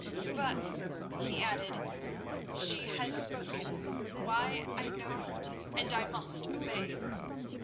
"But," he added, "she has spoken—why, I know not—and I must obey.